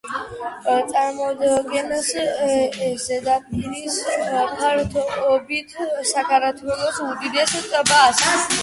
წარმოადგენს ზედაპირის ფართობით საქართველოს უდიდეს ტბას.